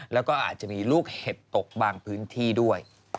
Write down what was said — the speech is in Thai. แล้วก็อาจจะมีลูกเห็บตกบางพื้นที่ด้วย